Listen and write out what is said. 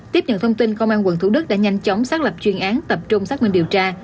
tiếp nhận thông tin công an quận thủ đức đã nhanh chóng xác lập chuyên án tập trung xác minh điều tra